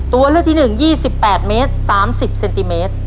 ตัวเลือกที่๑๒๘เมตร๓๐เซนติเมตร